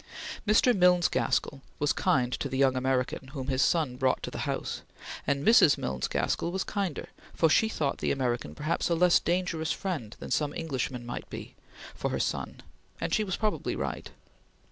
Mr. Milnes Gaskell was kind to the young American whom his son brought to the house, and Mrs. Milnes Gaskell was kinder, for she thought the American perhaps a less dangerous friend than some Englishman might be, for her son, and she was probably right.